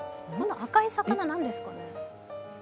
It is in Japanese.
赤い魚、何ですかね？